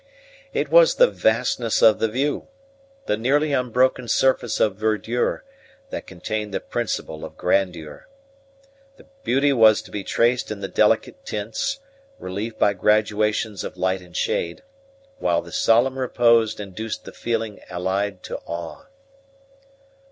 It was the vastness of the view, the nearly unbroken surface of verdure, that contained the principle of grandeur. The beauty was to be traced in the delicate tints, relieved by graduations of light and shade; while the solemn repose induced the feeling allied to awe.